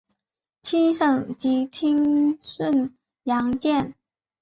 七省级轻巡洋舰。